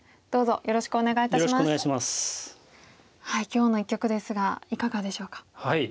今日の一局ですがいかがでしょうか？